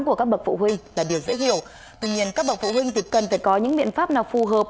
của các bậc phụ huynh là điều dễ hiểu tuy nhiên các bậc phụ huynh thì cần phải có những biện pháp nào phù hợp